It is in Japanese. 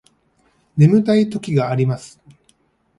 眠たい時があります